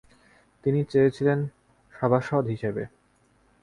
তিনি চেয়েছিলেন সভাসদ হিসেবে।